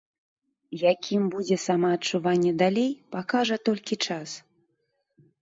Якім будзе самаадчуванне далей, пакажа толькі час.